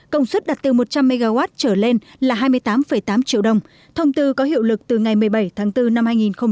công suất đặt từ một trăm linh mw trở lên là hai mươi tám tám triệu đồng thông tư có hiệu lực từ ngày một mươi bảy tháng bốn năm hai nghìn hai mươi